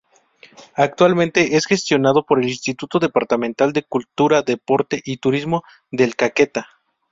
Actualmente es gestionado por el Instituto Departamental de Cultura, Deporte y Turismo del Caquetá.